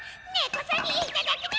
こそぎいただくの！